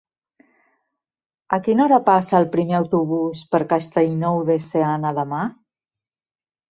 A quina hora passa el primer autobús per Castellnou de Seana demà?